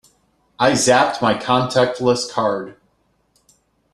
I zapped my contactless card.